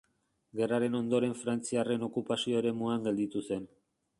Gerraren ondoren frantziarren okupazio-eremuan gelditu zen.